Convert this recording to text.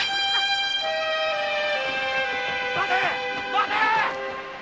待て！